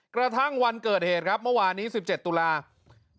กระทั่งวันเกิดเหตุครับเมื่อวานนี้๑๗ตุลาคม